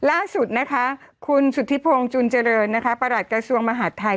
ล่าสุดนะคะคุณสุธิพงศ์จุนเจริญนะคะประหลัดกระทรวงมหาดไทย